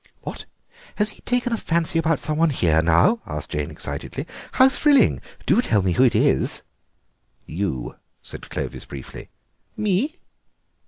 "What, has he taken a fancy about some one here now?" asked Jane excitedly; "how thrilling! Do tell me who it is." "You," said Clovis briefly. "Me?"